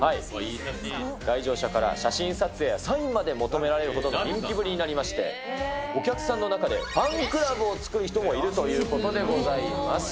来場者から写真撮影やサインまで求められるほどの人気ぶりになりまして、お客さんの中でファンクラブを作る人もいるということでございま